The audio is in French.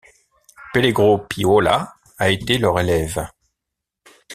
Pellegro Piola a été leur élève.